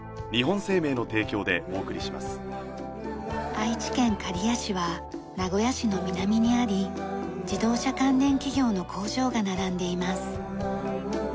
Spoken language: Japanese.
愛知県刈谷市は名古屋市の南にあり自動車関連企業の工場が並んでいます。